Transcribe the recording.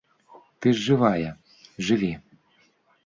Ты ж жывая, жыві!